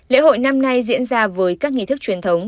lễ hội năm nay diễn ra với các nghi thức truyền thống